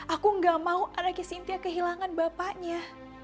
aku gak mau anaknya sintia kehilangan bapaknya